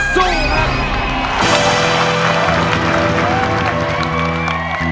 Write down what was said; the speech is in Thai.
สู้ค่ะ